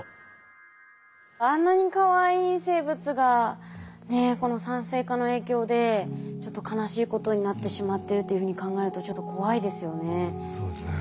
あんなにかわいい生物がこの酸性化の影響でちょっと悲しいことになってしまってるっていうふうに考えるとちょっと怖いですよね。